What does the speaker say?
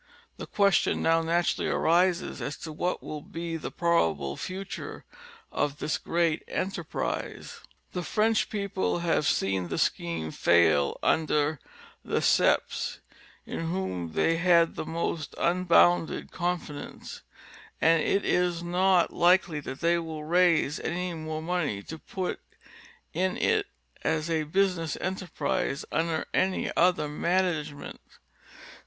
The question now naturally arises as to what will be the probable future of this great enterprise. 314 National Geograjphio Magazine. The French people have seen the scheme fail under Lesseps in whom they had the most unbounded confidence, and it is not likely that they will raise any more money to be put in it as a business enterprise under any other management.